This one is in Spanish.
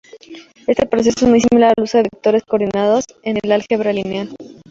Este proceso es muy similar al uso de vectores coordinados en álgebra lineal.